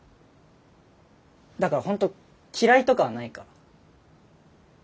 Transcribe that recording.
だから本当嫌いとかはないから。